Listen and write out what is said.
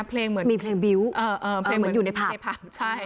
เพลงเหมือนมีเพลงบิ๊วเออเออเพลงเหมือนอยู่ในผับใช่